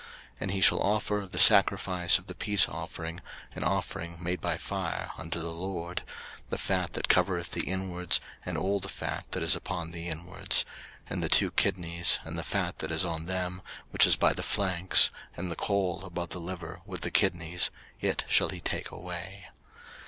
03:003:003 And he shall offer of the sacrifice of the peace offering an offering made by fire unto the LORD; the fat that covereth the inwards, and all the fat that is upon the inwards, 03:003:004 And the two kidneys, and the fat that is on them, which is by the flanks, and the caul above the liver, with the kidneys, it shall he take away.